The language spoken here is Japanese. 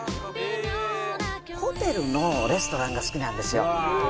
ホテルのレストランが好きなんですよ。